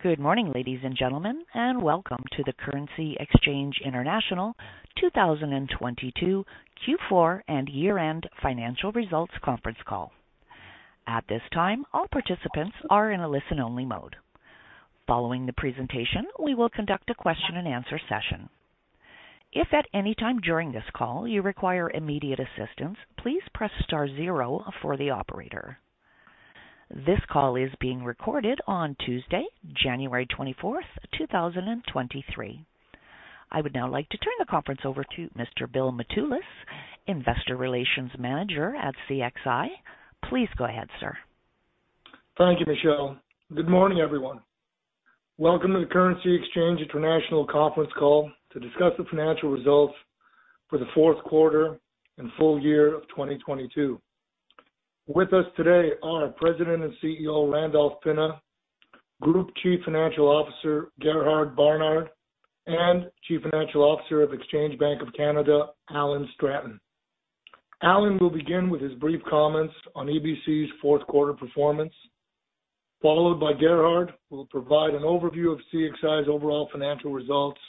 Good morning, ladies and gentlemen, welcome to the Currency Exchange International 2022 Q4 and year-end financial results conference call. At this time, all participants are in a listen-only mode. Following the presentation, we will conduct a question-and-answer session. If at any time during this call you require immediate assistance, please press star zero for the operator. This call is being recorded on Tuesday, January 24, 2023. I would now like to turn the conference over to Mr. Bill Mitoulas, Investor Relations Manager at CXI. Please go ahead, sir. Thank you, Michelle. Good morning, everyone. Welcome to the Currency Exchange International conference call to discuss the financial results for the fourth quarter and full year of 2022. With us today are President and CEO, Randolph Pinna, Group Chief Financial Officer, Gerhard Barnard, and Chief Financial Officer of Exchange Bank of Canada, Alan Stratton. Alan will begin with his brief comments on EBC's fourth quarter performance, followed by Gerhard, who will provide an overview of CXI's overall financial results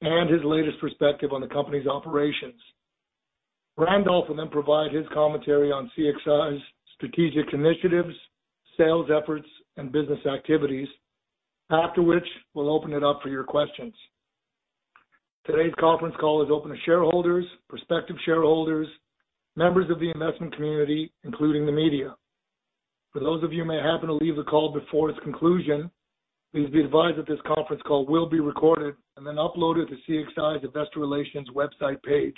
and his latest perspective on the company's operations. Randolph will then provide his commentary on CXI's strategic initiatives, sales efforts, and business activities. After which, we'll open it up for your questions. Today's conference call is open to shareholders, prospective shareholders, members of the investment community, including the media. For those of you who may happen to leave the call before its conclusion, please be advised that this conference call will be recorded and then uploaded to CXI's Investor Relations website page,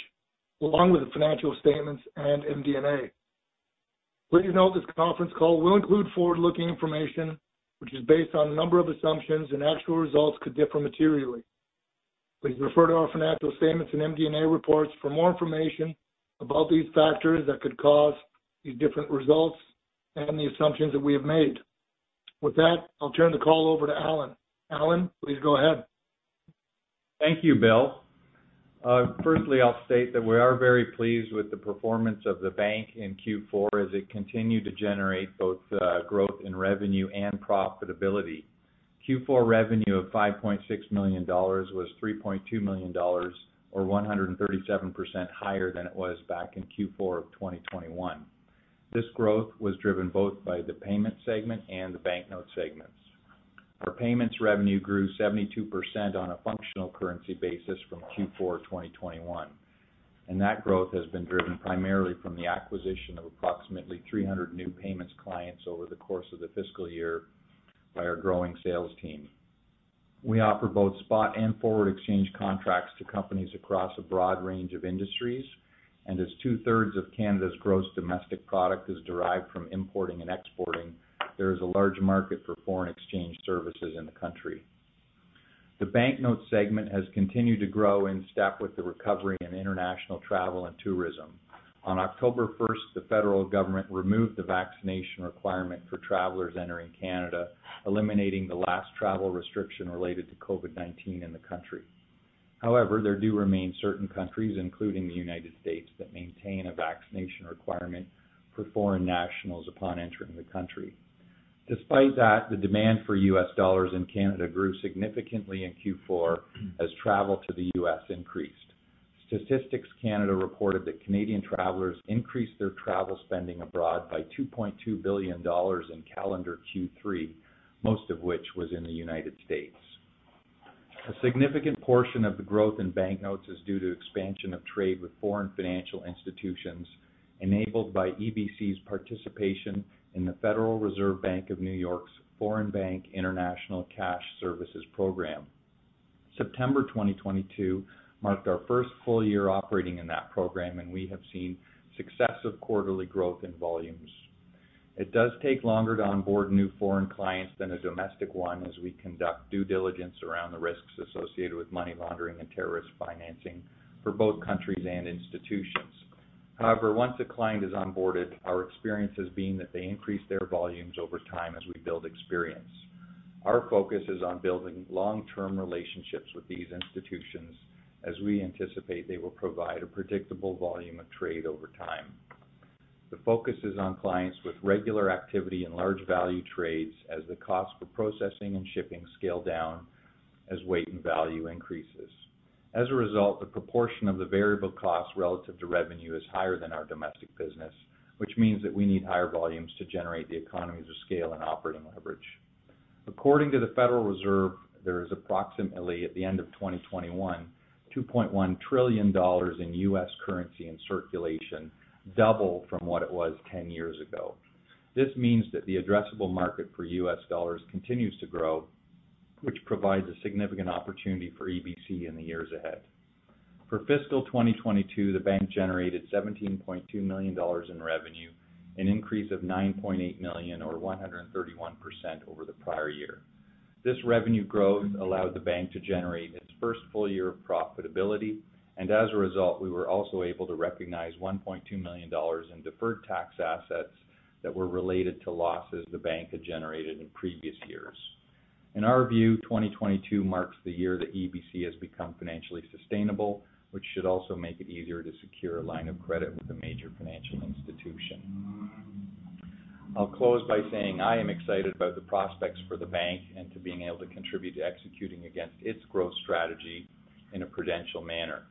along with the financial statements and MD&A. Please note this conference call will include forward-looking information which is based on a number of assumptions. Actual results could differ materially. Please refer to our financial statements and MD&A reports for more information about these factors that could cause these different results and the assumptions that we have made. With that, I'll turn the call over to Alan. Alan, please go ahead. Thank you, Bill. Firstly, I'll state that we are very pleased with the performance of the bank in Q4 as it continued to generate both growth in revenue and profitability. Q4 revenue of $5.6 million was $3.2 million or 137% higher than it was back in Q4 of 2021. This growth was driven both by the payment segment and the banknote segments. That growth has been driven primarily from the acquisition of approximately 300 new payments clients over the course of the fiscal year by our growing sales team. We offer both spot and forward exchange contracts to companies across a broad range of industries, and as two-thirds of Canada's gross domestic product is derived from importing and exporting, there is a large market for foreign exchange services in the country. The banknote segment has continued to grow in step with the recovery in international travel and tourism. On October first, the federal government removed the vaccination requirement for travelers entering Canada, eliminating the last travel restriction related to COVID-19 in the country. However, there do remain certain countries, including the United States, that maintain a vaccination requirement for foreign nationals upon entering the country. Despite that, the demand for U.S. dollars in Canada grew significantly in Q4 as travel to the U.S. increased. Statistics Canada reported that Canadian travelers increased their travel spending abroad by $2.2 billion in calendar Q3, most of which was in the United States. A significant portion of the growth in banknotes is due to expansion of trade with foreign financial institutions, enabled by EBC's participation in the Federal Reserve Bank of New York's Foreign Bank International Cash Services program. September 2022 marked our first full year operating in that program. We have seen successive quarterly growth in volumes. It does take longer to onboard new foreign clients than a domestic one as we conduct due diligence around the risks associated with money laundering and terrorist financing for both countries and institutions. However, once a client is onboarded, our experience has been that they increase their volumes over time as we build experience. Our focus is on building long-term relationships with these institutions as we anticipate they will provide a predictable volume of trade over time. The focus is on clients with regular activity and large value trades as the cost for processing and shipping scale down as weight and value increases. As a result, the proportion of the variable cost relative to revenue is higher than our domestic business, which means that we need higher volumes to generate the economies of scale and operating leverage. According to the Federal Reserve, there is approximately, at the end of 2021, $2.1 trillion in U.S. currency in circulation, double from what it was 10 years ago. This means that the addressable market for U.S. dollars continues to grow, which provides a significant opportunity for EBC in the years ahead. For fiscal 2022, the bank generated $17.2 million in revenue, an increase of $9.8 million or 131% over the prior year. This revenue growth allowed the bank to generate its first full year of profitability, As a result, we were also able to recognize $1.2 million in deferred tax assets that were related to losses the bank had generated in previous years. In our view, 2022 marks the year that EBC has become financially sustainable, which should also make it easier to secure a line of credit with a major financial institution. I'll close by saying I am excited about the prospects for the bank and to being able to contribute to executing against its growth strategy in a prudential manner.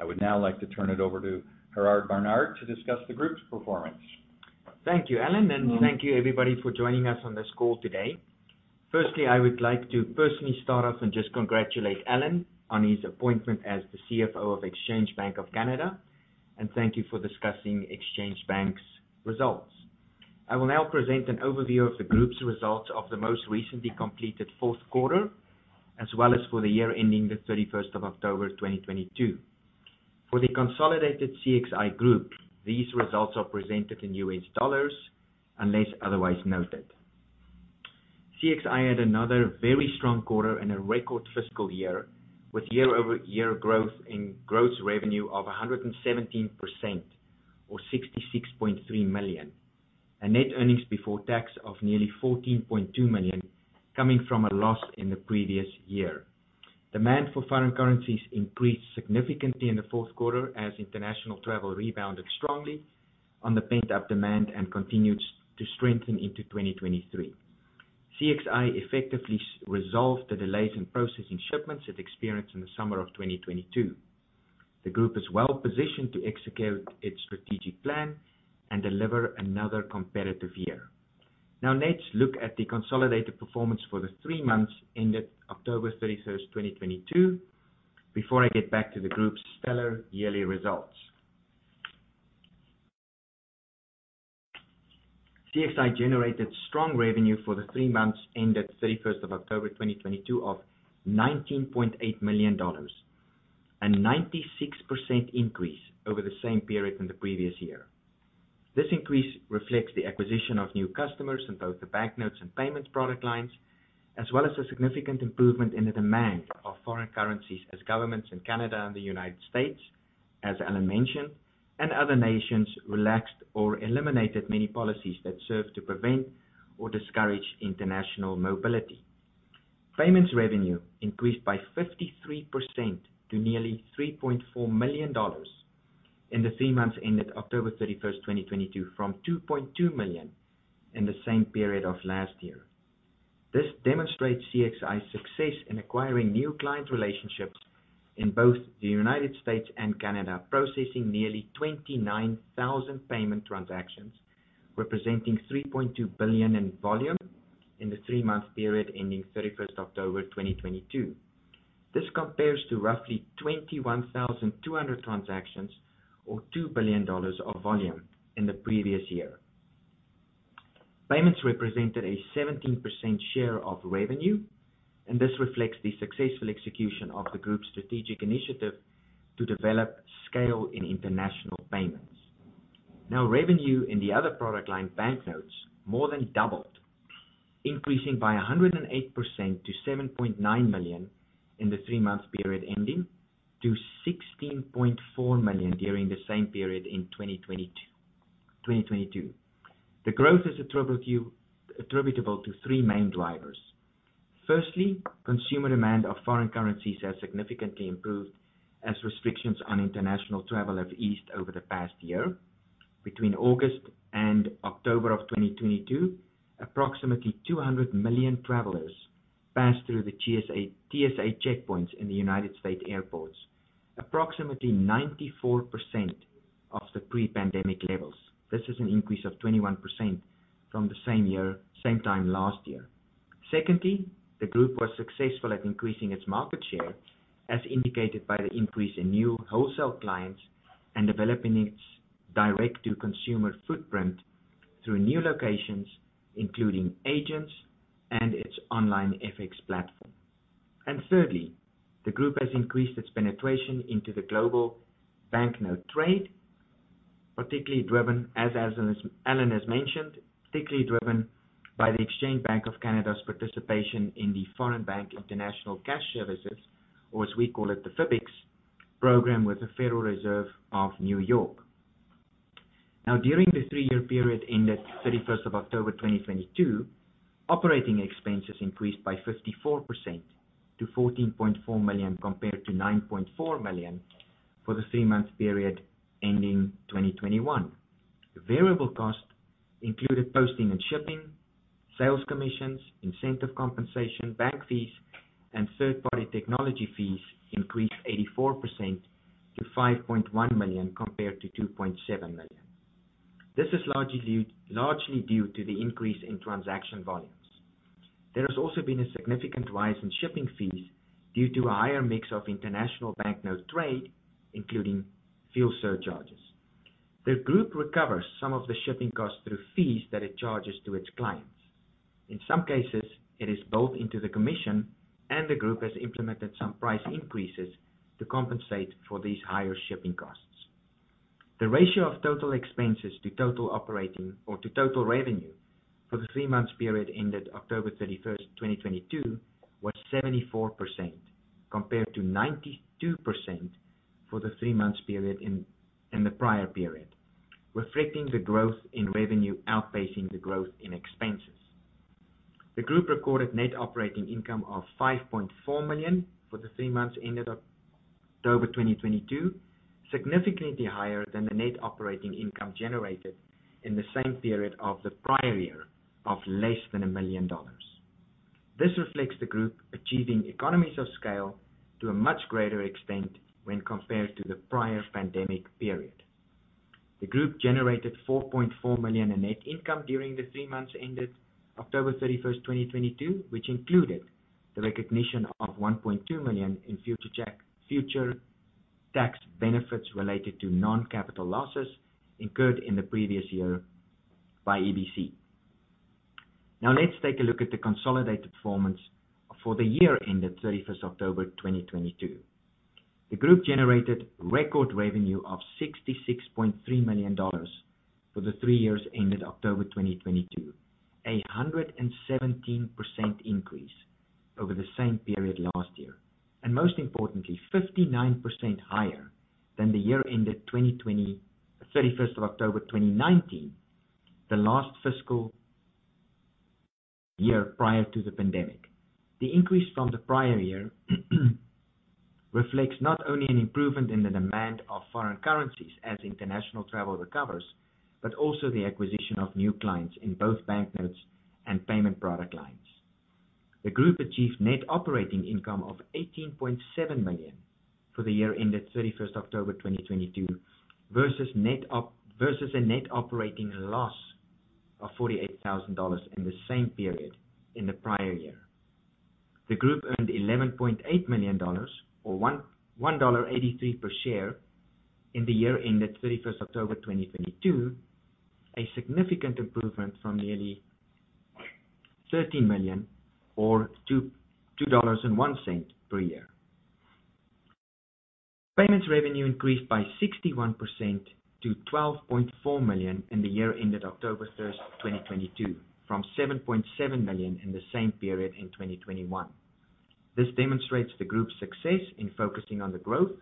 I would now like to turn it over to Gerhard Barnard to discuss the group's performance. Thank you, Alan, and thank you everybody for joining us on this call today. Firstly, I would like to personally start off and just congratulate Alan on his appointment as the CFO of Exchange Bank of Canada. Thank you for discussing Exchange Bank's results. I will now present an overview of the group's results of the most recently completed fourth quarter, as well as for the year ending the 31st of October 2022. For the consolidated CXI group, these results are presented in US dollars unless otherwise noted. CXI had another very strong quarter and a record fiscal year, with year-over-year growth in gross revenue of 117%, or $66.3 million. Net earnings before tax of nearly $14.2 million coming from a loss in the previous year. Demand for foreign currencies increased significantly in the fourth quarter as international travel rebounded strongly on the pent-up demand and continues to strengthen into 2023. CXI effectively resolved the delays in processing shipments it experienced in the summer of 2022. The group is well positioned to execute its strategic plan and deliver another competitive year. Let's look at the consolidated performance for the three months ended October 31st, 2022. Before I get back to the group's stellar yearly results. CXI generated strong revenue for the three months ended 31st of October 2022 of $19.8 million, a 96% increase over the same period in the previous year. This increase reflects the acquisition of new customers in both the banknotes and payments product lines, as well as a significant improvement in the demand of foreign currencies as governments in Canada and the United States, as Alan mentioned, and other nations relaxed or eliminated many policies that serve to prevent or discourage international mobility. Payments revenue increased by 53% to nearly $3.4 million in the 3 months ended October 31, 2022, from $2.2 million in the same period of last year. This demonstrates CXI's success in acquiring new client relationships in both the United States and Canada, processing nearly 29,000 payment transactions, representing $3.2 billion in volume in the three month period ending October 31, 2022. This compares to roughly 21,200 transactions or $2 billion of volume in the previous year. Payments represented a 17% share of revenue. This reflects the successful execution of the group's strategic initiative to develop scale in international payments. Revenue in the other product line, banknotes, more than doubled, increasing by 108% to $7.9 million in the three-month period ending to $16.4 million during the same period in 2022. The growth is attributable to three main drivers. Firstly, consumer demand of foreign currencies has significantly improved as restrictions on international travel have eased over the past year. Between August and October of 2022, approximately 200 million travelers passed through the TSA checkpoints in the United States airports. Approximately 94% of the pre-pandemic levels. This is an increase of 21% from the same year, same time last year. Secondly, the group was successful at increasing its market share, as indicated by the increase in new wholesale clients and developing its direct to consumer footprint through new locations, including agents and its online FX platform. Thirdly, the group has increased its penetration into the global banknote trade, particularly driven, as Alan has mentioned, particularly driven by the Exchange Bank of Canada's participation in the Foreign Bank International Cash Services. Or, as we call it, the FBICS program with the Federal Reserve Bank of New York. Now during the three year period ended 31st of October 2022, operating expenses increased by 54% to $14.4 million, compared to $9.4 million for the three month period ending 2021. The variable cost included posting and shipping, sales commissions, incentive compensation, bank fees, and third party technology fees increased 84% to $5.1 million, compared to $2.7 million. This is largely due to the increase in transaction volumes. There has also been a significant rise in shipping fees due to a higher mix of international banknote trade, including fuel surcharges. The group recovers some of the shipping costs through fees that it charges to its clients. In some cases, it is built into the commission, the group has implemented some price increases to compensate for these higher shipping costs. The ratio of total expenses to total operating or to total revenue for the three month period ended October 31st, 2022, was 74%, compared to 92% for the three month period in the prior period. Reflecting the growth in revenue outpacing the growth in expenses. The group recorded net operating income of $5.4 million for the three months ended October 2022, significantly higher than the net operating income generated in the same period of the prior year of less than $1 million. This reflects the group achieving economies of scale to a much greater extent when compared to the prior pandemic period. The group generated $4.4 million in net income during the three months ended October 31st, 2022, which included the recognition of $1.2 million in future tax benefits related to non-capital losses incurred in the previous year by EBC. Let's take a look at the consolidated performance for the year ended October 31st, 2022. The group generated record revenue of $66.3 million for the three years ended October 2022, a 117% increase over the same period last year. Most importantly, 59% higher than the year ended October 31st, 2019, the last fiscal year prior to the pandemic. The increase from the prior year reflects not only an improvement in the demand of foreign currencies as international travel recovers, but also the acquisition of new clients in both banknotes and payment product lines. The group achieved net operating income of $18.7 million for the year ended October 31, 2022, versus a net operating loss of $48,000 in the same period in the prior year. The group earned $11.8 million or $1.83 per share in the year ended October 31, 2022, a significant improvement from nearly $13 million or $2.01 per year. Payments revenue increased by 61% to $12.4 million in the year ended October 1st, 2022, from $7.7 million in the same period in 2021. This demonstrates the group's success in focusing on the growth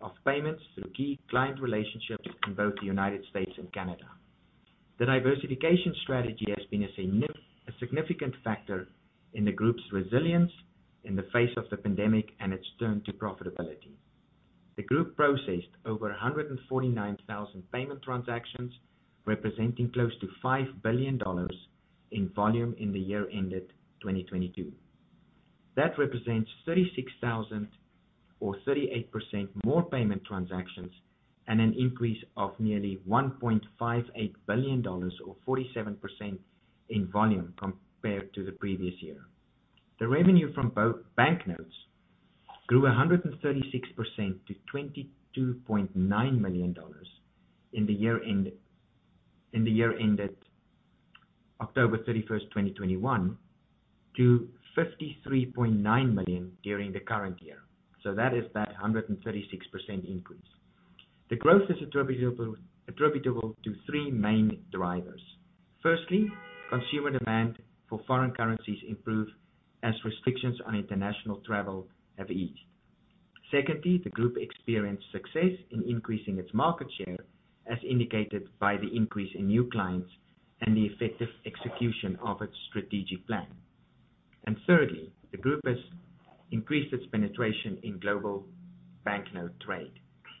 of payments through key client relationships in both the United States and Canada. The diversification strategy has been a significant factor in the group's resilience in the face of the pandemic, and its turn to profitability. The group processed over 149,000 payment transactions, representing close to $5 billion in volume in the year ended 2022. That represents 36,000 or 38% more payment transactions, and an increase of nearly $1.58 billion or 47% in volume compared to the previous year. The revenue from banknotes grew 136% to $22.9 million in the year ended October 31st, 2021 to $53.9 million during the current year. That is that 136% increase. The growth is attributable to three main drivers. Firstly, consumer demand for foreign currencies improved as restrictions on international travel have eased. Secondly, the group experienced success in increasing its market share, as indicated by the increase in new clients and the effective execution of its strategic plan. Thirdly, the group has increased its penetration in global banknote trade.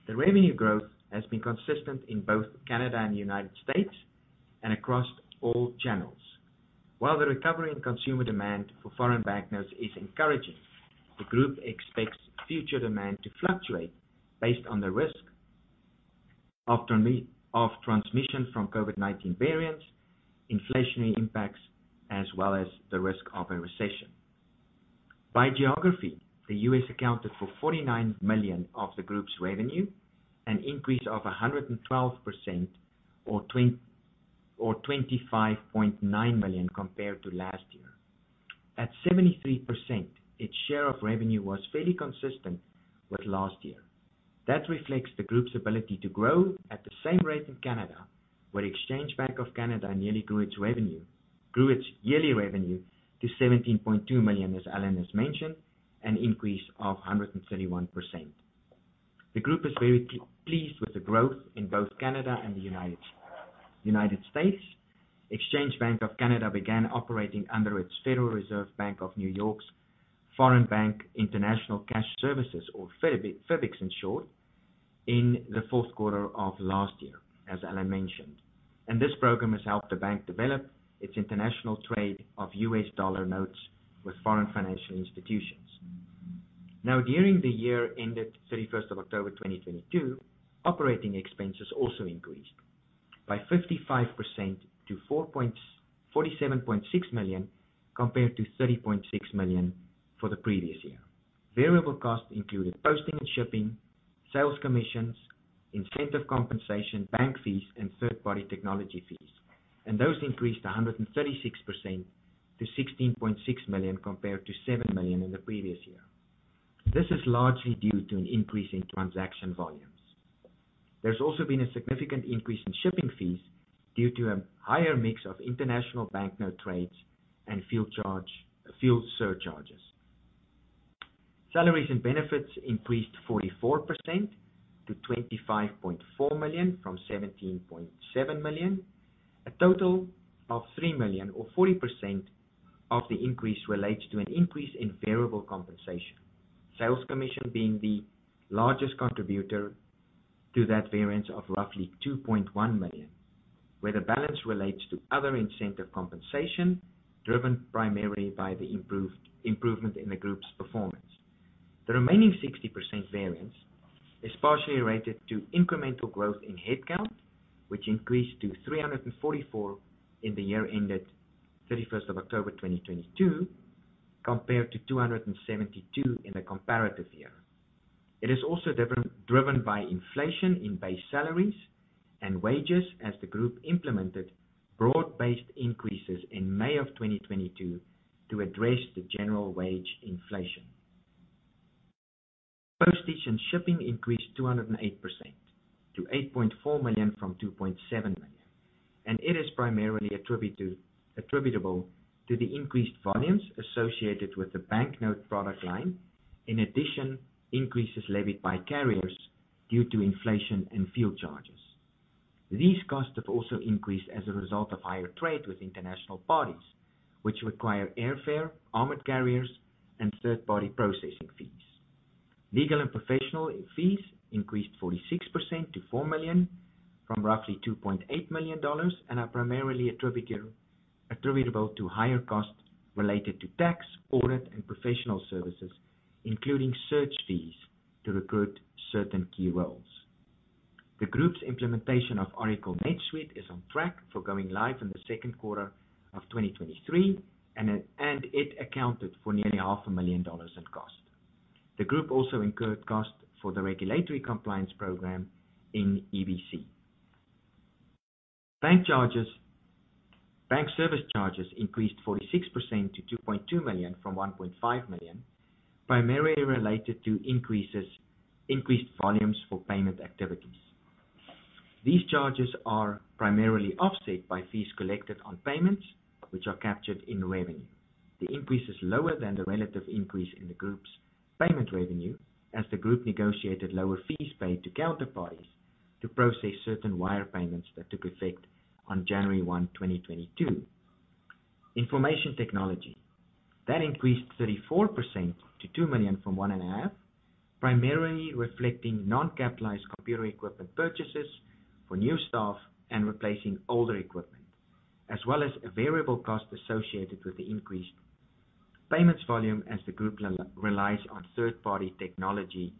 The revenue growth has been consistent in both Canada and United States, and across all channels. While the recovery in consumer demand for foreign banknotes is encouraging, the group expects future demand to fluctuate based on the risk of transmission from COVID-19 variants, inflationary impacts, as well as the risk of a recession. By geography, the U.S. accounted for $49 million of the group's revenue, an increase of 112% or $25.9 million compared to last year. At 73%, its share of revenue was fairly consistent with last year. That reflects the group's ability to grow at the same rate in Canada, where Exchange Bank of Canada nearly grew its revenue grew its yearly revenue to $17.2 million, as Allen has mentioned, an increase of 131%. The group is very pleased with the growth in both Canada and the United States. Exchange Bank of Canada began operating under its Federal Reserve Bank of New York's Foreign Bank International Cash Services, or FBICS's in short, in the fourth quarter of last year, as Allen mentioned. This program has helped the bank develop its international trade of U.S. dollar notes with foreign financial institutions. Now, during the year ended October 31st, 2022, operating expenses also increased by 55% to $47.6 million compared to $30.6 million for the previous year. Variable costs included posting and shipping, sales commissions, incentive compensation, bank fees, and third-party technology fees. Those increased 136% to $16.6 million compared to $7 million in the previous year. This is largely due to an increase in transaction volumes. There's also been a significant increase in shipping fees due to a higher mix of international banknote trades and field surcharges. Salaries and benefits increased 44% to $25.4 million from $17.7 million. A total of $3 million or 40% of the increase relates to an increase in variable compensation. Sales commission being the largest contributor to that variance of roughly $2.1 million, where the balance relates to other incentive compensation driven primarily by the improvement in the group's performance. The remaining 60% variance is partially related to incremental growth in headcount, which increased to 344 in the year ended 31st of October 2022, compared to 272 in the comparative year. It is also driven by inflation in base salaries and wages as the group implemented broad-based increases in May of 2022 to address the general wage inflation. Postage and shipping increased 208% to $8.4 million from $2.7 million. It is primarily attributable to the increased volumes associated with the banknote product line. In addition, increases levied by carriers due to inflation and fuel charges. These costs have also increased as a result of higher trade with international parties, which require airfare, armored carriers, and third-party processing fees. Legal and professional fees increased 46% to $4 million from roughly $2.8 million, and are primarily attributable to higher costs related to tax, audit, and professional services, including search fees to recruit certain key roles. The group's implementation of Oracle NetSuite is on track for going live in the second quarter of 2023, and it accounted for nearly half a million dollars in cost. The group also incurred costs for the regulatory compliance program in EBC. Bank service charges increased 46% to $2.2 million from $1.5 million, primarily related to increased volumes for payment activities. These charges are primarily offset by fees collected on payments which are captured in revenue. The increase is lower than the relative increase in the group's payment revenue as the group negotiated lower fees paid to counterparties to process certain wire payments that took effect on January 1, 2022. Information technology. Increased 34% to $2 million from $1.5 million, primarily reflecting non-capitalized computer equipment purchases for new staff and replacing older equipment, as well as a variable cost associated with the increased payments volume as the group relies on third-party technology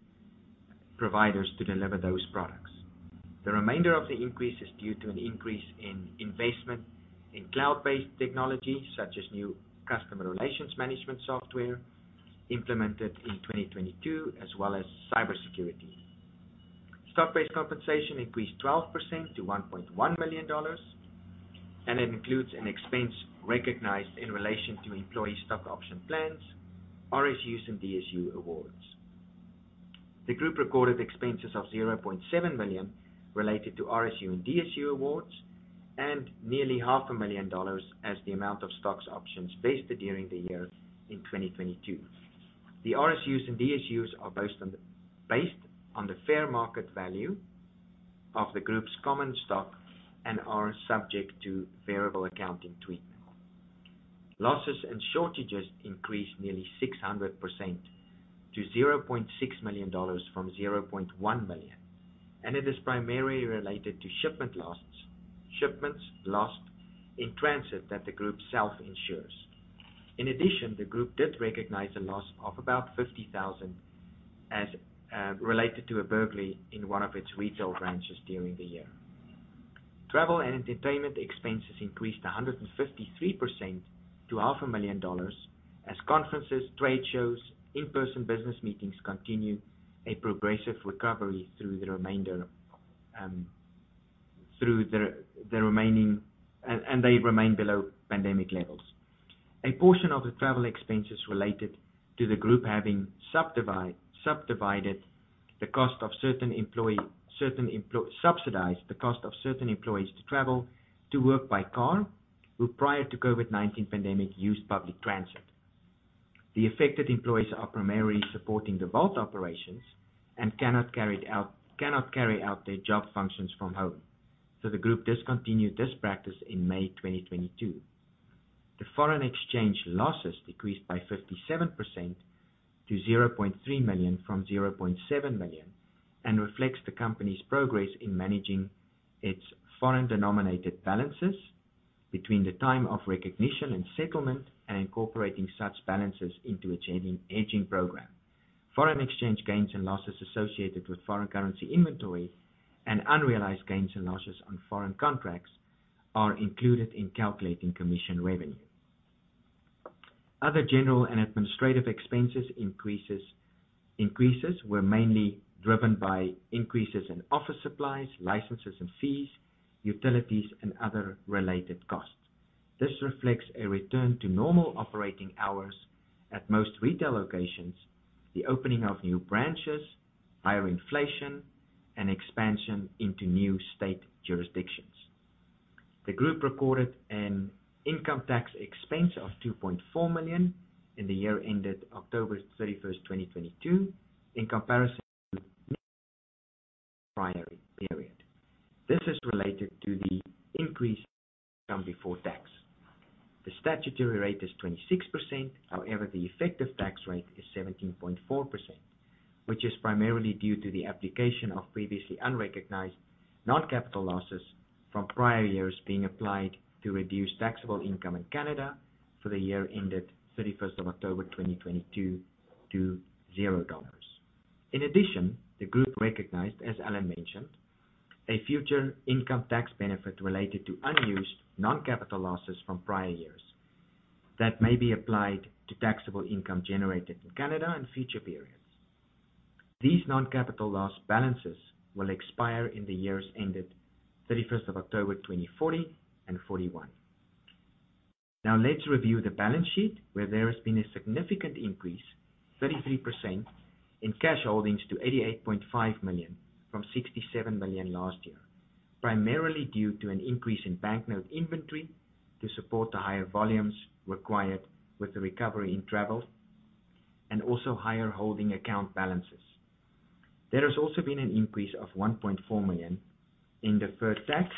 providers to deliver those products. The remainder of the increase is due to an increase in investment in cloud-based technologies such as new customer relations management software implemented in 2022, as well as cybersecurity. Stock-based compensation increased 12% to $1.1 million, It includes an expense recognized in relation to employee stock option plans, RSUs, and DSU awards. The group recorded expenses of $0.7 million related to RSU and DSU awards and nearly half a million dollars as the amount of stocks options vested during the year in 2022. The RSUs and DSUs are based on the fair market value of the group's common stock and are subject to variable accounting treatment. Losses and shortages increased nearly 600% to $0.6 million from $0.1 million. It is primarily related to shipments lost in transit that the group self-insures. In addition, the group did recognize a loss of about $50,000 related to a burglary in one of its retail branches during the year. Travel and entertainment expenses increased 153% to half a million dollars as conferences, trade shows, in-person business meetings continue a progressive recovery through the remaining. They remain below pandemic levels. A portion of the travel expenses related to the group having subdivided the cost of certain employees to travel to work by car, who prior to COVID-19 pandemic used public transit. The affected employees are primarily supporting the vault operations and cannot carry out their job functions from home. The group discontinued this practice in May 2022. The foreign exchange losses decreased by 57% to $0.3 million from $0.7 million, reflects the company's progress in managing its foreign denominated balances between the time of recognition and settlement, and incorporating such balances into its hedging program. Foreign exchange gains and losses associated with foreign currency inventory and unrealized gains and losses on foreign contracts are included in calculating commission revenue. Other general and administrative expenses increases were mainly driven by increases in office supplies, licenses and fees, utilities, and other related costs. This reflects a return to normal operating hours at most retail locations, the opening of new branches, higher inflation, and expansion into new state jurisdictions. The group recorded an income tax expense of $2.4 million in the year ended October 31st, 2022, in comparison primary period. This is related to the increase in income before tax. The statutory rate is 26%. However, the effective tax rate is 17.4%, which is primarily due to the application of previously unrecognized non-capital losses from prior years being applied to reduce taxable income in Canada for the year ended 31st of October 2022 to $0. The group recognized, as Alan mentioned, a future income tax benefit related to unused non-capital losses from prior years that may be applied to taxable income generated in Canada in future periods. These non-capital loss balances will expire in the years ended 31st of October 2040 and 2041. Let's review the balance sheet, where there has been a significant increase, 33% in cash holdings to $88.5 million from $67 million last year, primarily due to an increase in banknote inventory to support the higher volumes required with the recovery in travel and also higher holding account balances. There has also been an increase of $1.4 million in deferred tax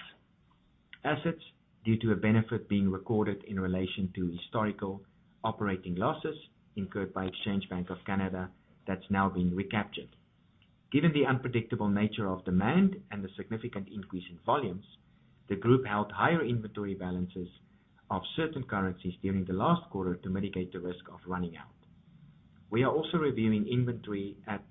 assets due to a benefit being recorded in relation to historical operating losses incurred by Exchange Bank of Canada that's now been recaptured. Given the unpredictable nature of demand and the significant increase in volumes, the group held higher inventory balances of certain currencies during the last quarter to mitigate the risk of running out. We are also reviewing inventory at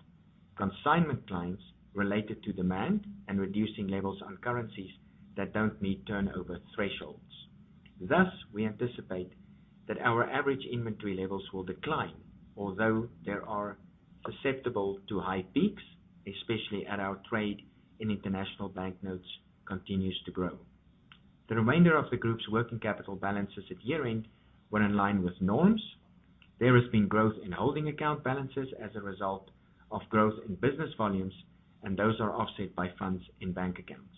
consignment clients related to demand and reducing levels on currencies that don't meet turnover thresholds. We anticipate that our average inventory levels will decline, although there are susceptible to high peaks, especially as our trade in international banknotes continues to grow. The remainder of the group's working capital balances at year-end were in line with norms. There has been growth in holding account balances as a result of growth in business volumes, and those are offset by funds in bank accounts.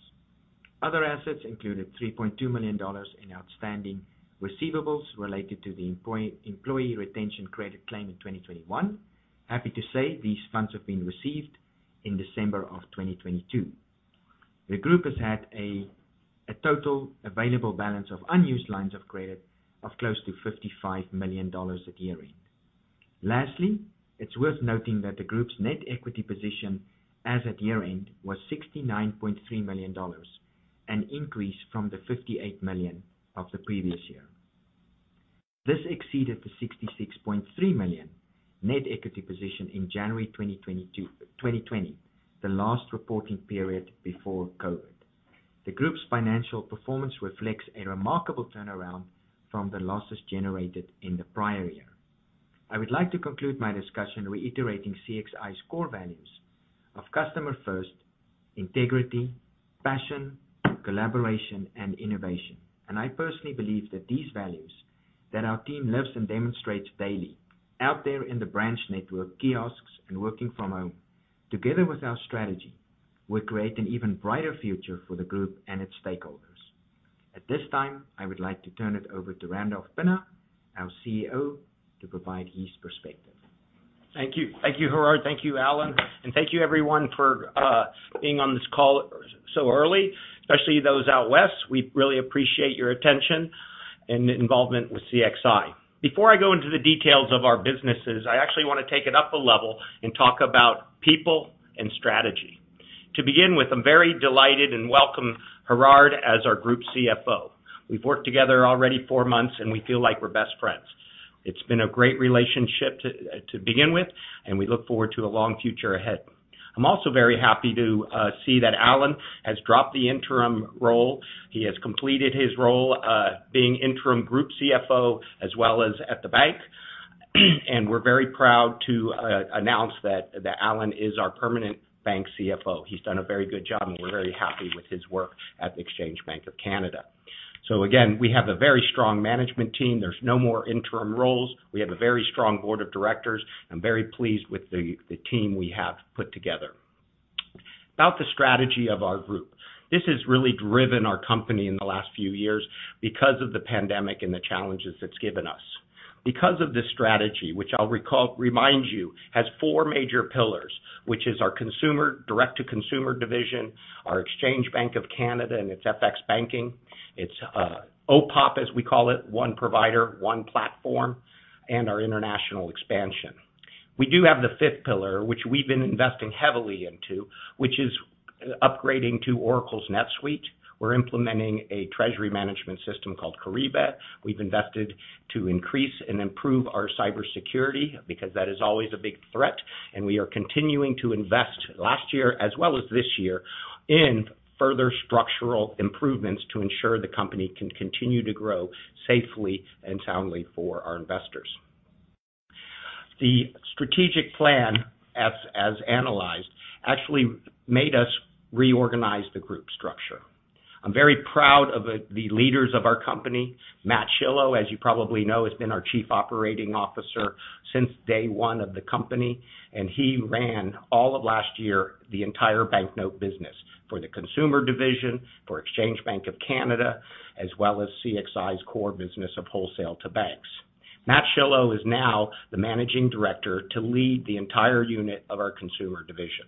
Other assets included $3.2 million in outstanding receivables related to the employee retention credit claimed in 2021. Happy to say these funds have been received in December of 2022. The group has had a total available balance of unused lines of credit of close to $55 million at year-end. Lastly, it's worth noting that the group's net equity position as at year-end was $69.3 million, an increase from the $58 million of the previous year. This exceeded the $66.3 million net equity position in January 2020, the last reporting period before COVID. The group's financial performance reflects a remarkable turnaround from the losses generated in the prior year. I would like to conclude my discussion reiterating CXI's core values of customer first, integrity, passion, collaboration, and innovation. I personally believe that these values that our team lives and demonstrates daily out there in the branch network, kiosks, and working from home, together with our strategy, will create an even brighter future for the group and its stakeholders. At this time, I would like to turn it over to Randolph Pinna, our CEO, to provide his perspective. Thank you. Thank you, Gerhard. Thank you, Alan. Thank you everyone for being on this call so early, especially those out west. We really appreciate your attention and involvement with CXI. Before I go into the details of our businesses, I actually wanna take it up a level and talk about people and strategy. To begin with, I'm very delighted and welcome Gerhard as our Group CFO. We've worked together already four months, we feel like we're best friends. It's been a great relationship to begin with, we look forward to a long future ahead. I'm also very happy to see that Alan has dropped the interim role. He has completed his role being interim Group CFO as well as at the bank. We're very proud to announce that Alan is our permanent Bank CFO. He's done a very good job, and we're very happy with his work at the Exchange Bank of Canada. Again, we have a very strong management team. There's no more interim roles. We have a very strong board of directors. I'm very pleased with the team we have put together. About the strategy of our group. This has really driven our company in the last few years because of the pandemic and the challenges it's given us. Because of this strategy, which I'll remind you, has four major pillars, which is our direct to consumer division, our Exchange Bank of Canada and its FX banking. It's OPOP, as we call it, One Provider, One Platform, and our international expansion. We do have the 5th pillar, which we've been investing heavily into, which is upgrading to Oracle's NetSuite. We're implementing a treasury management system called Kyriba. We've invested to increase and improve our cybersecurity because that is always a big threat. We are continuing to invest last year as well as this year in further structural improvements to ensure the company can continue to grow safely and soundly for our investors. The strategic plan, as analyzed, actually made us reorganize the group structure. I'm very proud of the leaders of our company. Matt Shiloh, as you probably know, has been our Chief Operating Officer since day one of the company, and he ran all of last year the entire banknote business for the consumer division, for Exchange Bank of Canada, as well as CXI's core business of wholesale to banks. Matt Shiloh is now the Managing Director to lead the entire unit of our consumer division.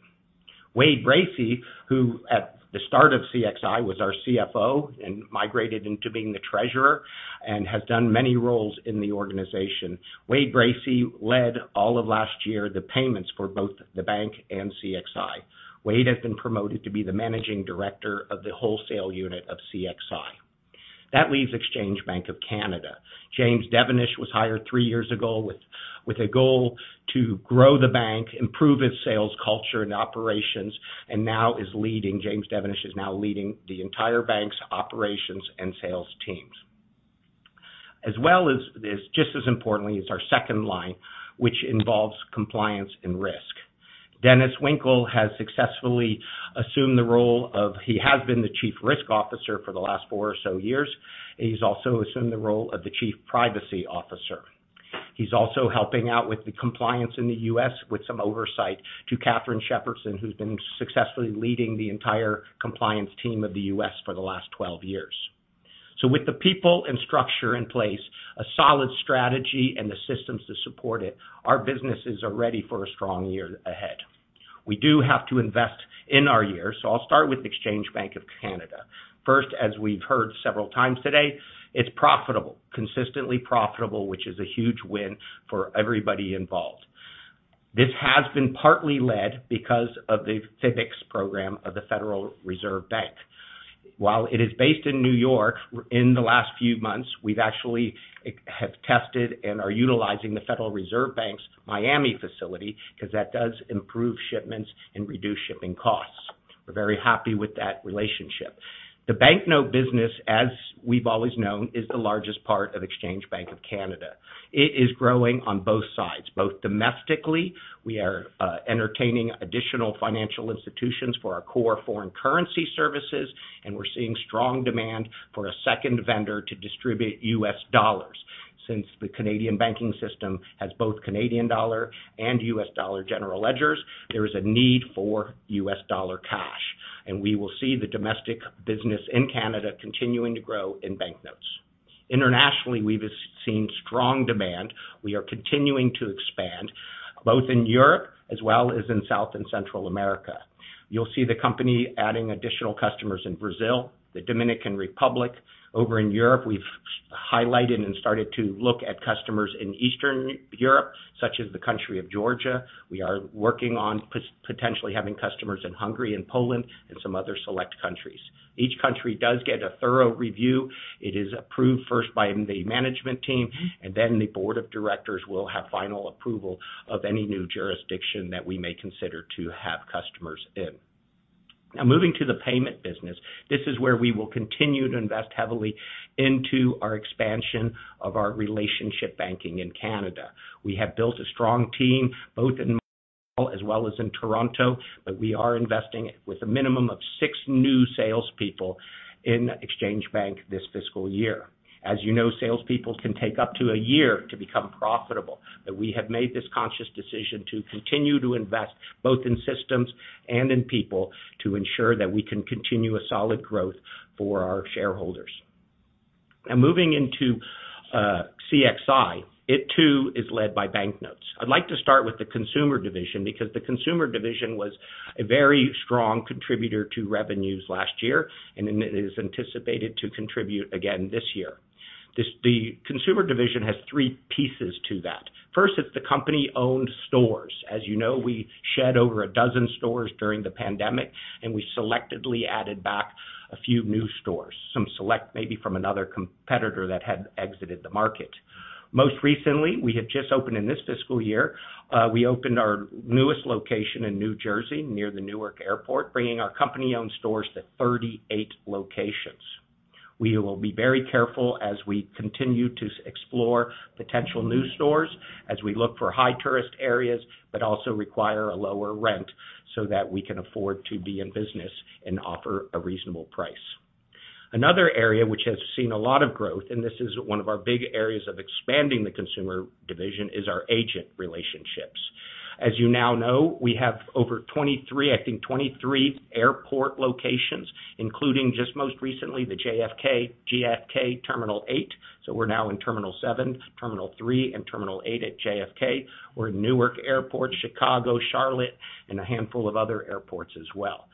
Wade Bracy, who at the start of CXI was our CFO and migrated into being the treasurer and has done many roles in the organization. Wade Bracy led all of last year the payments for both the bank and CXI. Wade has been promoted to be the managing director of the wholesale unit of CXI. That leaves Exchange Bank of Canada. James Devenish was hired three years ago with a goal to grow the bank, improve its sales culture and operations. James Devenish is now leading the entire bank's operations and sales teams. As well as this, just as importantly, is our second line, which involves compliance and risk. Dennis Winkel has successfully assumed he has been the chief risk officer for the last four or so years, and he's also assumed the role of the chief privacy officer. He's also helping out with the compliance in the U.S. with some oversight to Catherine Shepardson, who's been successfully leading the entire compliance team of the U.S. for the last 12 years. With the people and structure in place, a solid strategy and the systems to support it, our businesses are ready for a strong year ahead. We do have to invest in our year, I'll start with Exchange Bank of Canada. First, as we've heard several times today, it's profitable. Consistently profitable, which is a huge win for everybody involved. This has been partly led because of the FBICS program of the Federal Reserve Bank. While it is based in New York, in the last few months, we've actually tested and are utilizing the Federal Reserve Bank's Miami facility because that does improve shipments and reduce shipping costs. We're very happy with that relationship. The banknote business, as we've always known, is the largest part of Exchange Bank of Canada. It is growing on both sides, both domestically, we are entertaining additional financial institutions for our core foreign currency services. We're seeing strong demand for a second vendor to distribute U.S. dollars. Since the Canadian banking system has both Canadian dollar and U.S. dollar general ledgers, there is a need for U.S. dollar cash. We will see the domestic business in Canada continuing to grow in banknotes. Internationally, we've seen strong demand. We are continuing to expand both in Europe as well as in South and Central America. You'll see the company adding additional customers in Brazil, the Dominican Republic. Over in Europe, we've highlighted and started to look at customers in Eastern Europe, such as the country of Georgia. We are working on potentially having customers in Hungary and Poland and some other select countries. Each country does get a thorough review. It is approved first by the management team and then the board of directors will have final approval of any new jurisdiction that we may consider to have customers in. Moving to the payment business. This is where we will continue to invest heavily into our expansion of our relationship banking in Canada. We have built a strong team, both in Montreal as well as in Toronto. We are investing with a minimum of 6 new salespeople in Exchange Bank this fiscal year. As you know, salespeople can take up to a year to become profitable. We have made this conscious decision to continue to invest both in systems and in people to ensure that we can continue a solid growth for our shareholders. Moving into CXI. It too is led by banknotes. I'd like to start with the consumer division because the consumer division was a very strong contributor to revenues last year. It is anticipated to contribute again this year. The consumer division has three pieces to that. First, it's the company-owned stores. As you know, we shed over a dozen stores during the pandemic. We selectively added back a few new stores, some select maybe from another competitor that had exited the market. Most recently, we have just opened in this fiscal year. We opened our newest location in New Jersey near the Newark airport, bringing our company-owned stores to 38 locations. We will be very careful as we continue to explore potential new stores as we look for high tourist areas, but also require a lower rent so that we can afford to be in business and offer a reasonable price. Another area which has seen a lot of growth, this is one of our big areas of expanding the consumer division, is our agent relationships. As you now know, we have over 23, I think 23 airport locations, including just most recently, the JFK Terminal 8. We're now in Terminal 7, Terminal 3, and Terminal 8 at JFK. We're in Newark Airport, Chicago, Charlotte, and a handful of other airports as well.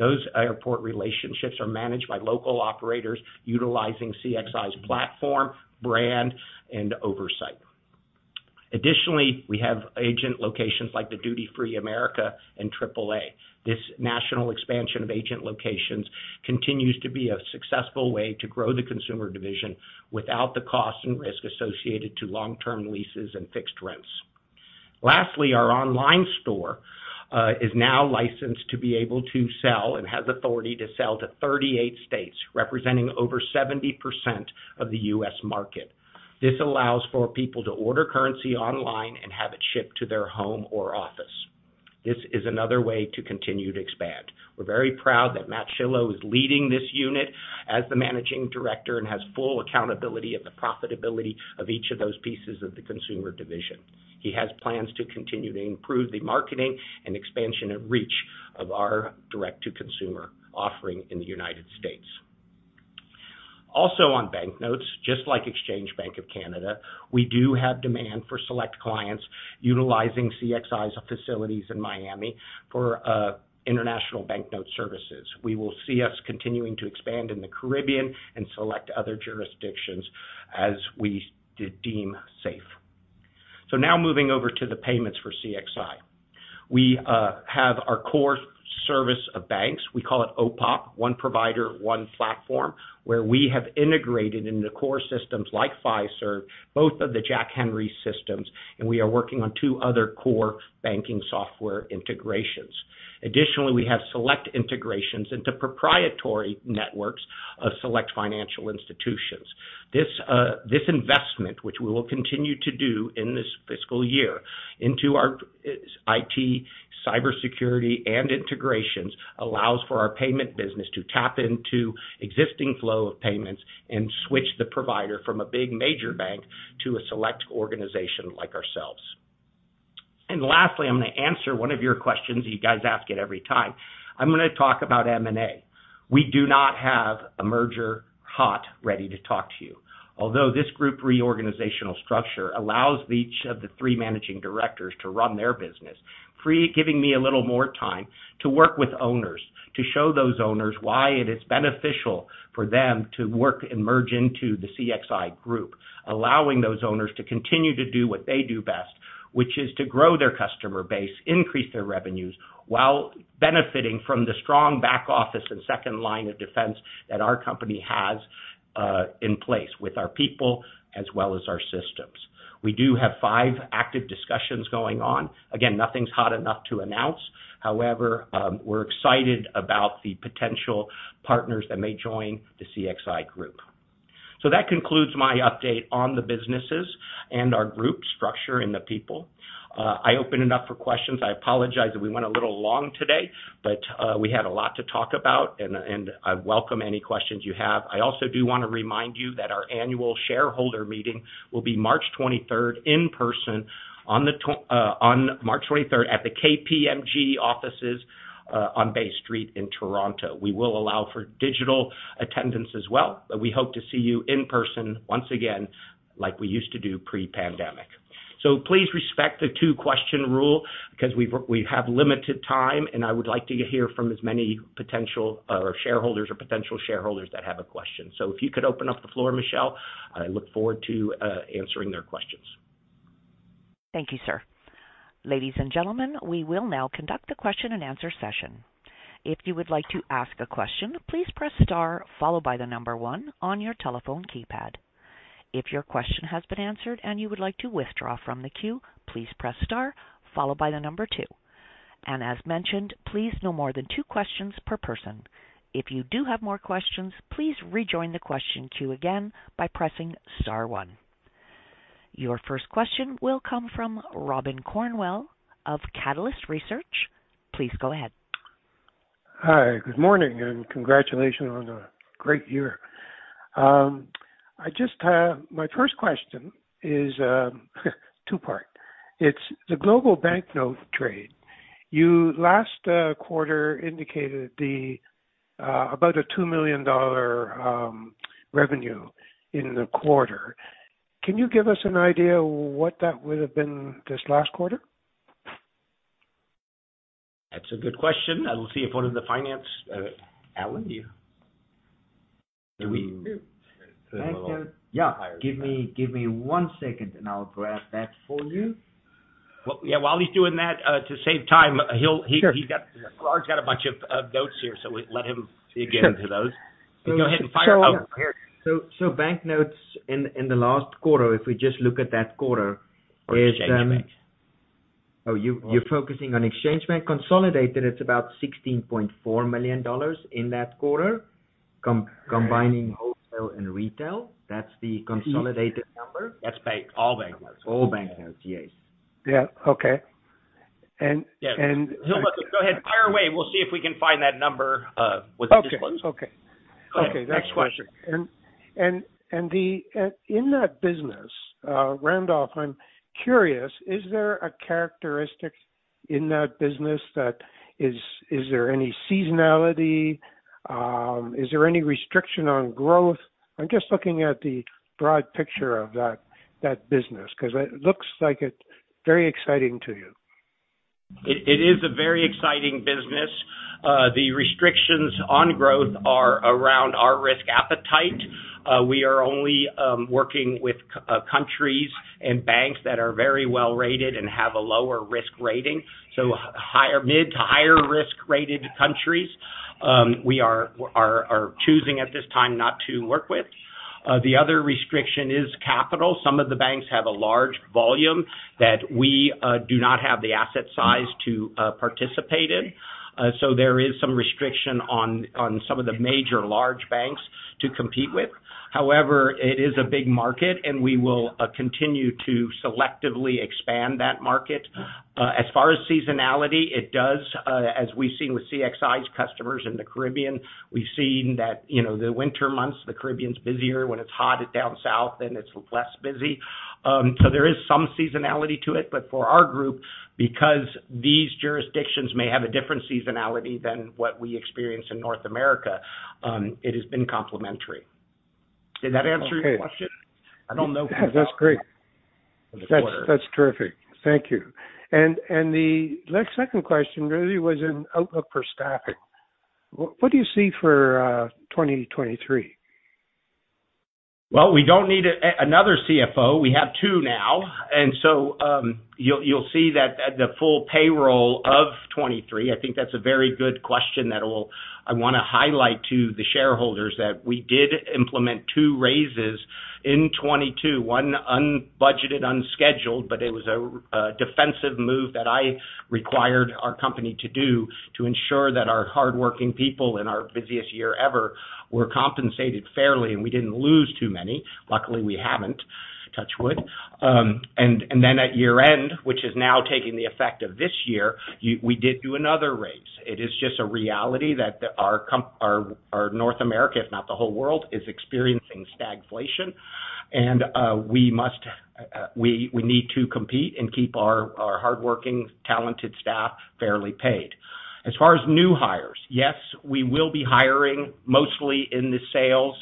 Those airport relationships are managed by local operators utilizing CXI's platform, brand, and oversight. Additionally, we have agent locations like the Duty Free Americas and AAA. This national expansion of agent locations continues to be a successful way to grow the consumer division without the cost and risk associated to long-term leases and fixed rents. Lastly, our online store is now licensed to be able to sell and has authority to sell to 38 states, representing over 70% of the U.S. market. This allows for people to order currency online and have it shipped to their home or office. This is another way to continue to expand. We're very proud that Matt Shiloh is leading this unit as the Managing Director and has full accountability of the profitability of each of those pieces of the consumer division. He has plans to continue to improve the marketing and expansion and reach of our direct-to-consumer offering in the United States. On banknotes, just like Exchange Bank of Canada, we do have demand for select clients utilizing CXI's facilities in Miami for international banknote services. We will see us continuing to expand in the Caribbean and select other jurisdictions as we deem safe. Now moving over to the payments for CXI. We have our core service of banks. We call it OPOP, One Provider, One Platform, where we have integrated into core systems like Fiserv, both of the Jack Henry systems, and we are working on two other core banking software integrations. Additionally, we have select integrations into proprietary networks of select financial institutions. This, this investment, which we will continue to do in this fiscal year into our IT, cybersecurity, and integrations, allows for our payment business to tap into existing flow of payments and switch the provider from a big major bank to a select organization like ourselves. Lastly, I'm gonna answer one of your questions. You guys ask it every time. I'm gonna talk about M&A. We do not have a merger hot ready to talk to you. Although this group reorganizational structure allows each of the three managing directors to run their business, giving me a little more time to work with owners, to show those owners why it is beneficial for them to work and merge into the CXI group, allowing those owners to continue to do what they do best, which is to grow their customer base, increase their revenues, while benefiting from the strong back office and second line of defense that our company has in place with our people as well as our systems. We do have five active discussions going on. Again, nothing's hot enough to announce. However, we're excited about the potential partners that may join the CXI group. That concludes my update on the businesses and our group structure and the people. I open it up for questions. I apologize that we went a little long today, but we had a lot to talk about and I welcome any questions you have. I also do wanna remind you that our annual shareholder meeting will be March 23rd in person on March 23rd at the KPMG offices on Bay Street in Toronto. We will allow for digital attendance as well, but we hope to see you in person once again like we used to do pre-pandemic. Please respect the two-question rule because we have limited time, and I would like to hear from as many potential or shareholders or potential shareholders that have a question. If you could open up the floor, Michelle, I look forward to answering their questions. Thank you, sir. Ladies and gentlemen, we will now conduct a question-and-answer session. If you would like to ask a question, please press star followed by the number one on your telephone keypad. If your question has been answered and you would like to withdraw from the queue, please press star followed by the number two. As mentioned, please no more than two questions per person. If you do have more questions, please rejoin the question queue again by pressing star one. Your first question will come from Robin Cornwell of Catalyst Research. Please go ahead. Hi. Good morning, and congratulations on a great year. My first question is two-part. It's the global banknote trade. You last quarter indicated the about a $2 million revenue in the quarter. Can you give us an idea what that would have been this last quarter? That's a good question. I will see if one of the finance, Alan, do you? Yeah. Give me one second, and I'll grab that for you. Well, yeah, while he's doing that, to save time, Clark's got a bunch of notes here, let him dig into those. Go ahead and fire. Banknotes in the last quarter, if we just look at that quarter is. Exchange banks. Oh, you're focusing on Exchange Bank. Consolidated, it's about $16.4 million in that quarter combining wholesale and retail. That's the consolidated number. That's bank, all banknotes. All banknotes. Yes. Yeah. Okay. Go ahead. Fire away. We'll see if we can find that number with the disclose. Okay. Okay. Okay. Next question. And the in that business, Randolph, I'm curious, is there a characteristic in that business that is there any seasonality? Is there any restriction on growth? I'm just looking at the broad picture of that business because it looks like it very exciting to you. It is a very exciting business. The restrictions on growth are around our risk appetite. We are only working with countries and banks that are very well rated and have a lower risk rating. Mid to higher risk rated countries, we are choosing at this time not to work with. The other restriction is capital. Some of the banks have a large volume that we do not have the asset size to participate in. There is some restriction on some of the major large banks to compete with. It is a big market, and we will continue to selectively expand that market. As far as seasonality, it does, as we've seen with CXI's customers in the Caribbean, we've seen that, you know, the winter months, the Caribbean is busier. When it's hot down south, then it's less busy. There is some seasonality to it. For our group, because these jurisdictions may have a different seasonality than what we experience in North America, it has been complementary. Did that answer your question? I don't know who- Yeah, that's great. That's terrific. Thank you. The next second question really was in outlook for staffing. What do you see for 2023? Well, we don't need another CFO. We have two now. You'll, you'll see that, the full payroll of 23. I think that's a very good question that I wanna highlight to the shareholders that we did implement two raises in 22, one unbudgeted, unscheduled, but it was a defensive move that I required our company to do to ensure that our hardworking people in our busiest year ever were compensated fairly, and we didn't lose too many. Luckily, we haven't, touch wood. At year-end, which is now taking the effect of this year, we did do another raise. It is just a reality that our our North America, if not the whole world, is experiencing stagflation. We must, we need to compete and keep our hardworking, talented staff fairly paid. As far as new hires, yes, we will be hiring mostly in the sales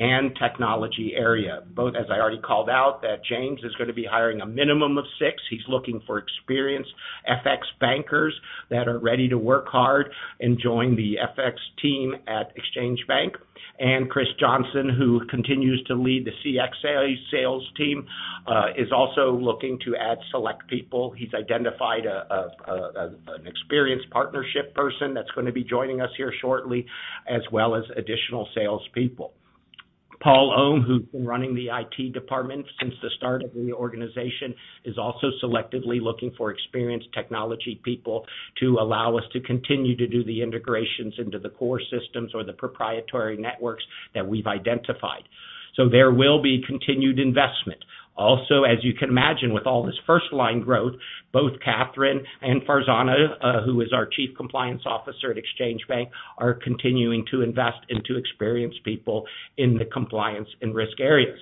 and technology area, both as I already called out, that James is gonna be hiring a minimum of 6. He's looking for experienced FX bankers that are ready to work hard and join the FX team at Exchange Bank. Chris Johnson, who continues to lead the CXI sales team, is also looking to add select people. He's identified an experienced partnership person that's gonna be joining us here shortly, as well as additional salespeople. Paul Ohm, who's been running the IT department since the start of the organization, is also selectively looking for experienced technology people to allow us to continue to do the integrations into the core systems or the proprietary networks that we've identified. There will be continued investment. As you can imagine, with all this first line growth, both Catherine and Farzana, who is our Chief Compliance Officer at Exchange Bank, are continuing to invest into experienced people in the compliance and risk areas.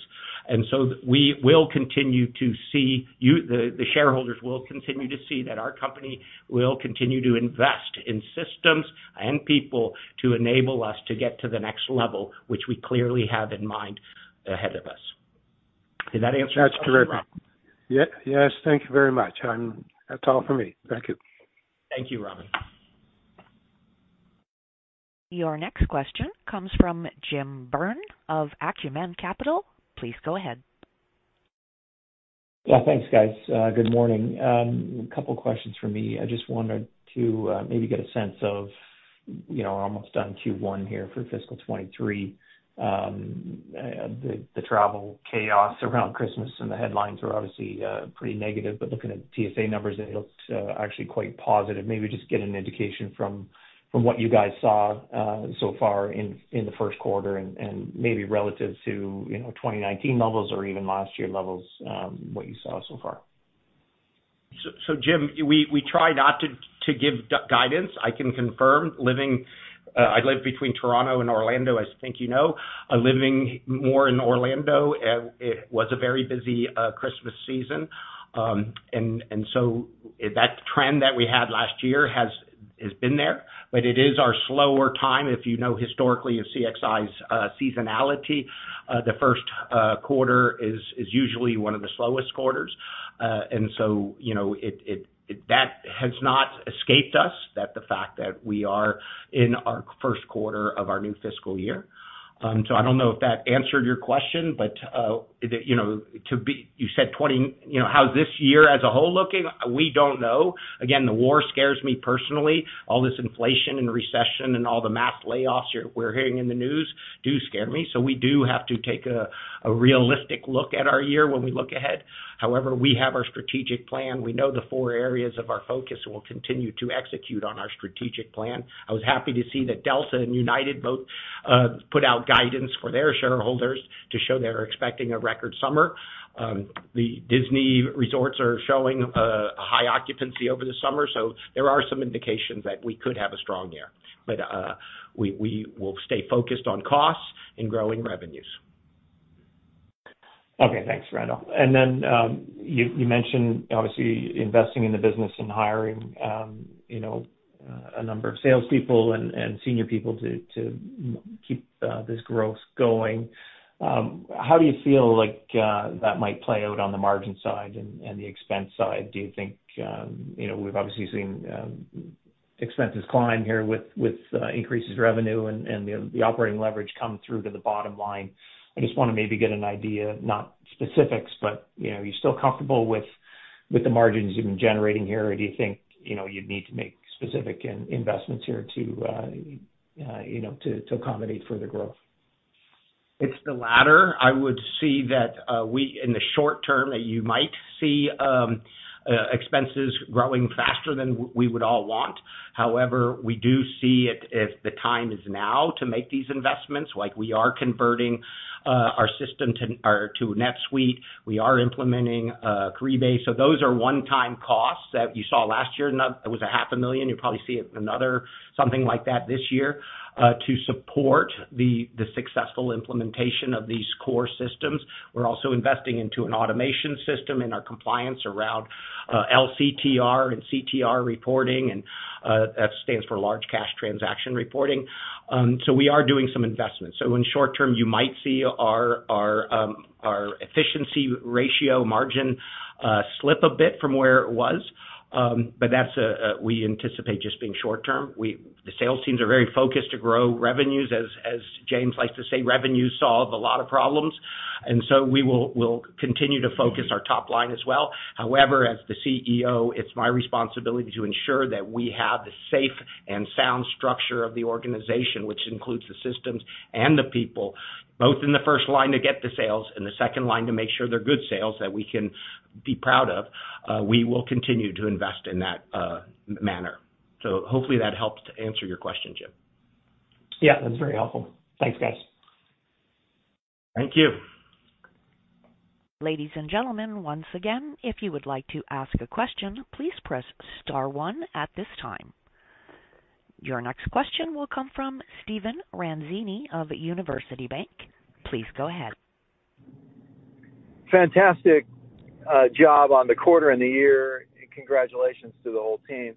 We will continue to see the shareholders will continue to see that our company will continue to invest in systems and people to enable us to get to the next level, which we clearly have in mind ahead of us. Did that answer your question, Rob? That's terrific. Yeah. Yes. Thank you very much. That's all for me. Thank you. Thank you, Robin. Your next question comes from Jim Byrne of Acumen Capital. Please go ahead. Yeah, thanks, guys. Good morning. A couple questions for me. I just wanted to maybe get a sense of, you know, almost on Q1 here for fiscal 2023. The travel chaos around Christmas and the headlines are obviously pretty negative, but looking at TSA numbers, it looks actually quite positive. Maybe just get an indication from what you guys saw so far in the first quarter and maybe relative to, you know, 2019 levels or even last year levels, what you saw so far. Jim, we try not to give guidance. I can confirm living, I live between Toronto and Orlando, as I think you know. Living more in Orlando, it was a very busy Christmas season. That trend that we had last year has been there, but it is our slower time. If you know historically of CXI's seasonality, the first quarter is usually one of the slowest quarters. You know, it, that has not escaped us, that the fact that we are in our first quarter of our new fiscal year. I don't know if that answered your question, but you know, to be, you said 20... You know, how's this year as a whole looking? We don't know. Again, the war scares me personally. All this inflation and recession and all the mass layoffs here we're hearing in the news do scare me. We do have to take a realistic look at our year when we look ahead. However, we have our strategic plan. We know the four areas of our focus will continue to execute on our strategic plan. I was happy to see that Delta and United both put out guidance for their shareholders to show they're expecting a record summer. The Disney resorts are showing a high occupancy over the summer, there are some indications that we could have a strong year. We will stay focused on costs and growing revenues. Okay. Thanks, Randolph. You mentioned obviously investing in the business and hiring, you know, a number of salespeople and senior people to keep this growth going. How do you feel like that might play out on the margin side and the expense side? Do you think, you know, we've obviously seen expenses climb here with increases revenue and the operating leverage come through to the bottom line. I just wanna maybe get an idea, not specifics, but, you know, are you still comfortable with the margins you've been generating here? Do you think, you know, you'd need to make specific investments here to accommodate further growth? It's the latter. I would see that, in the short term, that you might see expenses growing faster than we would all want. However, we do see it as the time is now to make these investments. Like, we are converting our system to NetSuite. We are implementing Crebase. Those are one-time costs that you saw last year. Now, it was a half a million. You'll probably see another something like that this year, to support the successful implementation of these core systems. We're also investing into an automation system in our compliance around LCTR and CTR reporting, and that stands for Large Cash Transaction Reporting. We are doing some investments. In short term, you might see our efficiency ratio margin slip a bit from where it was. That's, we anticipate just being short-term. The sales teams are very focused to grow revenues. As James likes to say, revenues solve a lot of problems. We'll continue to focus our top line as well. However, as the CEO, it's my responsibility to ensure that we have the safe and sound structure of the organization, which includes the systems and the people, both in the first line to get the sales and the second line to make sure they're good sales that we can be proud of. We will continue to invest in that manner. Hopefully that helps to answer your question, Jim. Yeah, that's very helpful. Thanks, guys. Thank you. Ladies and gentlemen, once again, if you would like to ask a question, please press star one at this time. Your next question will come from Steven Ranzini of University Bank. Please go ahead. Fantastic, job on the quarter and the year. Congratulations to the whole team.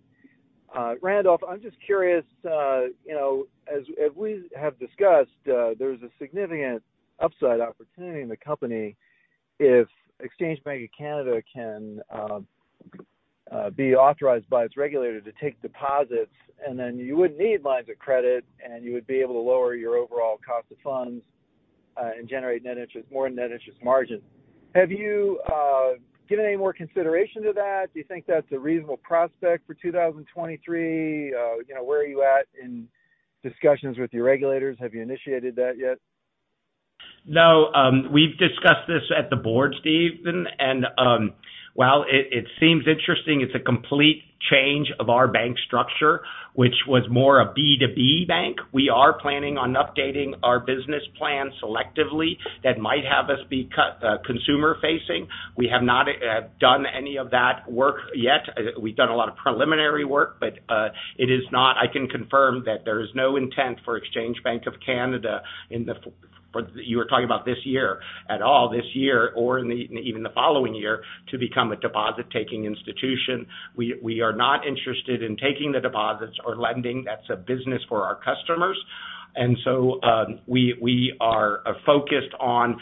Randolph, I'm just curious, you know, as we have discussed, there's a significant upside opportunity in the company if Exchange Bank of Canada can be authorized by its regulator to take deposits, and then you wouldn't need lines of credit, and you would be able to lower your overall cost of funds, and generate more net interest margin. Have you given any more consideration to that? Do you think that's a reasonable prospect for 2023? You know, where are you at in discussions with your regulators? Have you initiated that yet? No. We've discussed this at the board, Steven, and while it seems interesting, it's a complete change of our bank structure, which was more a B2B bank. We are planning on updating our business plan selectively that might have us be consumer-facing. We have not done any of that work yet. We've done a lot of preliminary work, but it is not. I can confirm that there is no intent for Exchange Bank of Canada you were talking about this year, at all this year or even the following year, to become a deposit-taking institution. We are not interested in taking the deposits or lending. That's a business for our customers. We are focused on,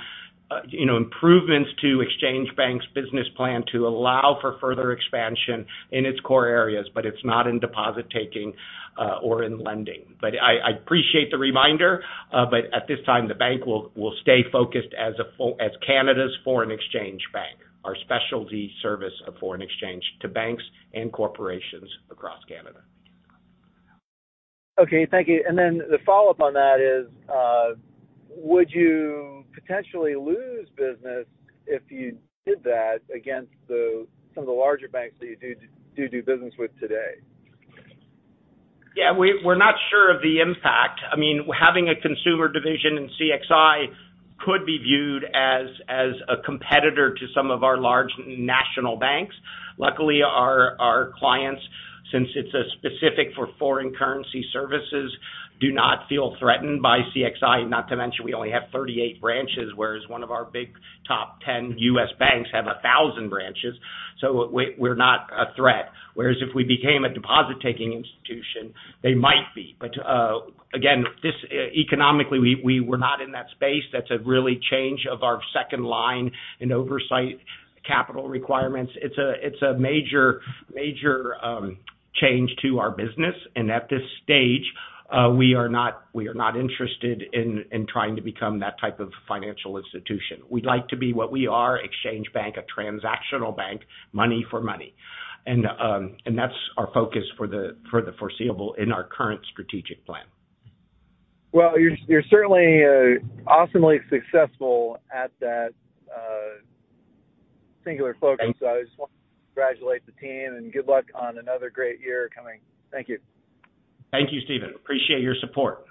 you know, improvements to Exchange Bank's business plan to allow for further expansion in its core areas, but it's not in deposit-taking or in lending. I appreciate the reminder, but at this time, the bank will stay focused as Canada's foreign exchange bank. Our specialty service of foreign exchange to banks and corporations across Canada. Okay. Thank you. The follow-up on that is, would you potentially lose business if you did that against some of the larger banks that you do business with today? We're not sure of the impact. I mean, having a consumer division in CXI could be viewed as a competitor to some of our large national banks. Luckily, our clients, since it's a specific for foreign currency services, do not feel threatened by CXI. Not to mention, we only have 38 branches, whereas one of our big top 10 U.S. banks have 1,000 branches, we're not a threat. Whereas if we became a deposit-taking institution, they might be. again, economically, we were not in that space. That's a really change of our second line in oversight capital requirements. It's a major change to our business. At this stage, we are not interested in trying to become that type of financial institution. We'd like to be what we are, Exchange Bank, a transactional bank, money for money. That's our focus for the foreseeable in our current strategic plan. Well, you're certainly awesomely successful at that singular focus. I just want to congratulate the team and good luck on another great year coming. Thank you. Thank you, Steven. Appreciate your support.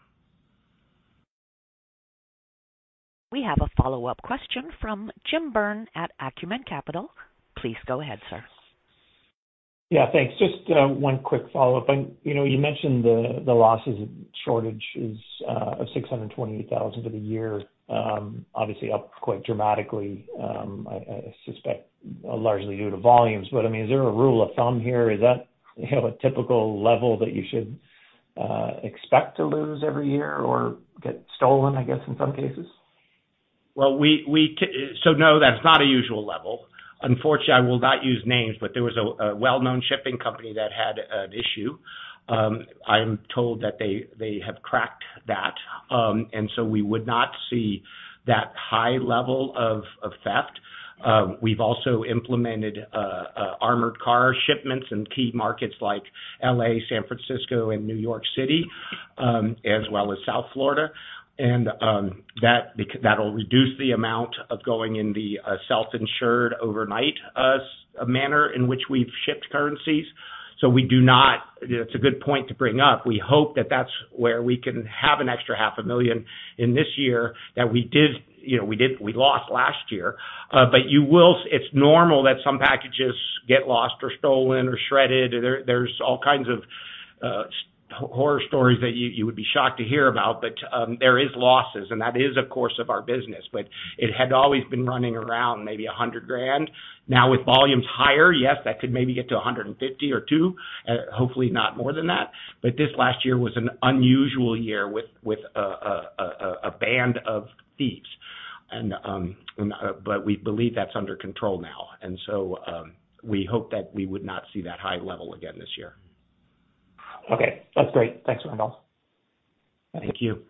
We have a follow-up question from Jim Byrne at Acumen Capital. Please go ahead, sir. Yeah, thanks. Just, one quick follow-up. You know, you mentioned the losses shortages of $628,000 for the year, obviously up quite dramatically, I suspect largely due to volumes. I mean, is there a rule of thumb here? Is that, you know, a typical level that you should expect to lose every year or get stolen, I guess, in some cases? No, that's not a usual level. Unfortunately, I will not use names, but there was a well-known shipping company that had an issue. I am told that they have cracked that, we would not see that high level of theft. We've also implemented armored car shipments in key markets like L.A., San Francisco and New York City, as well as South Florida. That'll reduce the amount of going in the self-insured overnight manner in which we've shipped currencies. It's a good point to bring up. We hope that that's where we can have an extra half a million in this year that we lost last year. You will It's normal that some packages get lost or stolen or shredded, or there's all kinds of horror stories that you would be shocked to hear about. There is losses, and that is of course of our business. It had always been running around maybe $100,000. Now, with volumes higher, yes, that could maybe get to $150,000 or $200,000. Hopefully not more than that. This last year was an unusual year with a band of thieves. And we believe that's under control now. We hope that we would not see that high level again this year. Okay, that's great. Thanks, Randolph. Thank you.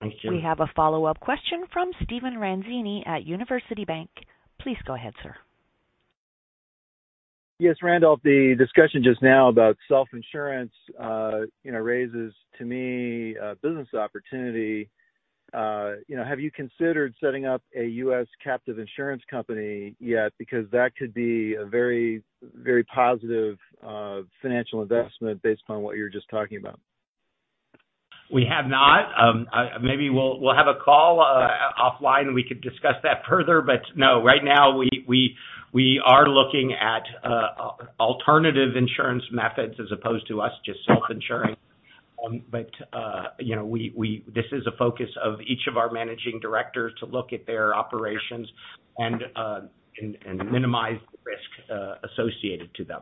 Thank you. We have a follow-up question from Steven Ranzini at University Bank. Please go ahead, sir. Randolph, the discussion just now about self-insurance, you know, raises to me a business opportunity. You know, have you considered setting up a U.S. captive insurance company yet? Because that could be a very, very positive financial investment based upon what you were just talking about. We have not. Maybe we'll have a call offline, and we could discuss that further. No, right now, we are looking at alternative insurance methods as opposed to us just self-insuring. You know, we, this is a focus of each of our managing directors to look at their operations and minimize risk associated to them.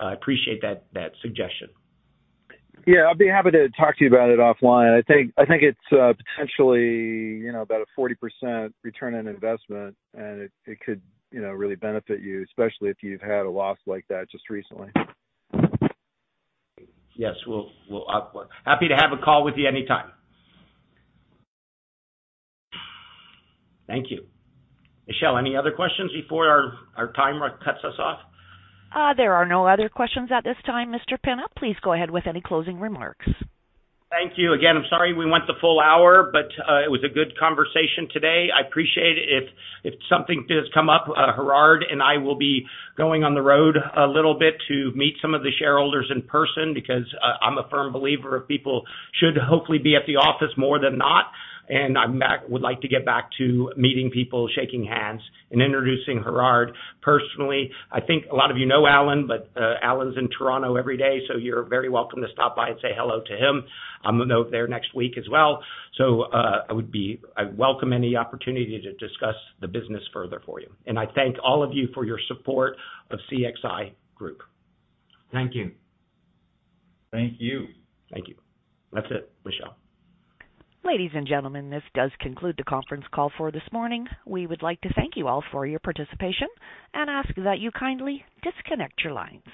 I appreciate that suggestion. Yeah, I'd be happy to talk to you about it offline. I think it's, potentially, you know, about a 40% ROI, and it could, you know, really benefit you, especially if you've had a loss like that just recently. Yes. We'll happy to have a call with you anytime. Thank you. Michelle, any other questions before our timer cuts us off? There are no other questions at this time, Mr. Pinna. Please go ahead with any closing remarks. Thank you. Again, I'm sorry we went the full hour, it was a good conversation today. I appreciate it. If something does come up, Gerhard and I will be going on the road a little bit to meet some of the shareholders in person because I'm a firm believer of people should hopefully be at the office more than not. I would like to get back to meeting people, shaking hands and introducing Gerhard personally. I think a lot of you know Alan's in Toronto every day, so you're very welcome to stop by and say hello to him. I'm gonna be there next week as well. I'd welcome any opportunity to discuss the business further for you. I thank all of you for your support of CXI Group. Thank you. Thank you. Thank you. That's it, Michelle. Ladies and gentlemen, this does conclude the conference call for this morning. We would like to thank you all for your participation and ask that you kindly disconnect your lines.